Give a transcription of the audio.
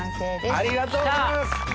ありがとうございます！来た。